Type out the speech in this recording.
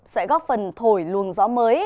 sẽ góp phần thổi luồng gió mới